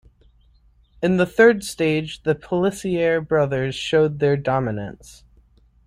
In the third stage, the Pélissier brothers showed their dominance.